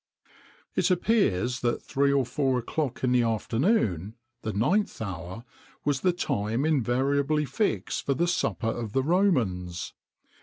It appears that three or four o'clock in the afternoon the ninth hour was the time invariably fixed for the supper of the Romans.